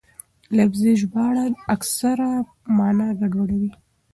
لفظي ژباړه اکثره مانا ګډوډوي.